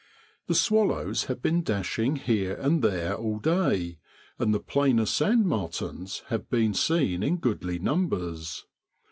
The swallows have been dashing here and there all day, and the plainer sand martins have been seen in goodly numbers.